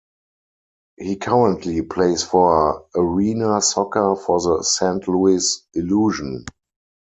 He currently plays for arena soccer for the Saint Louis Illusion.